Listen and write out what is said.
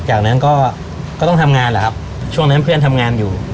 จากนั้นก็ต้องทำงานแหละครับช่วงนั้นเพื่อนทำงานอยู่